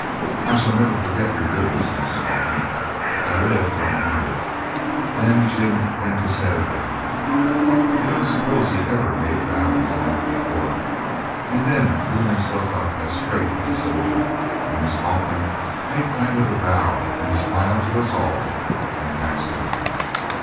'I shall never forget your goodness, Miss Falkland, if I live till I'm a hundred.' Then Jim bent his head a bit I don't suppose he ever made a bow in his life before and then drew himself up as straight as a soldier, and Miss Falkland made a kind of bow and smile to us all and passed out.